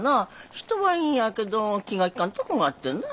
人はいいんやけど気が利かんとこがあってな。